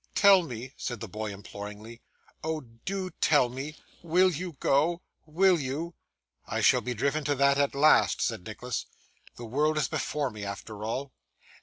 'Tell me,' said the boy imploringly, 'oh do tell me, WILL you go WILL you?' 'I shall be driven to that at last!' said Nicholas. 'The world is before me, after all.